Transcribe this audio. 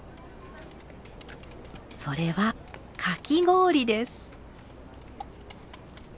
それはかき氷です。